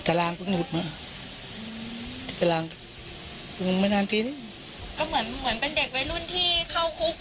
เป็นว่าเราก็ไม่ค่อยได้คุ้นนางอีกตราเท่าไหร่